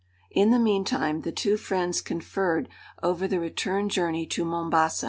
In the meantime the two friends conferred over the return journey to Mombasa.